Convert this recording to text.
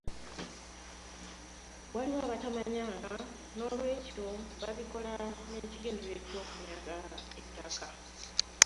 Waliwo abatamanyanga n'olwekyo bakikola n'ekigendererwa eky'okunyaga ettaka.